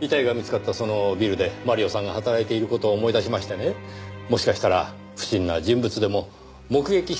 遺体が見つかったそのビルでマリオさんが働いている事を思い出しましてねもしかしたら不審な人物でも目撃してはいないかと。